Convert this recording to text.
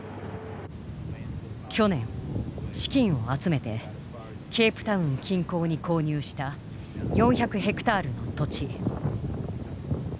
去年資金を集めてケープタウン近郊に購入した４００ヘクタールの土地。